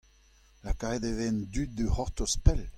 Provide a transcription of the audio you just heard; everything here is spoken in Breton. Lakaet e vez an dud da c'hortoz pell.